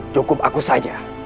cukup aku saja